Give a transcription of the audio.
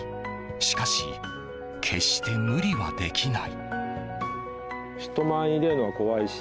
しかし、決して無理はできない。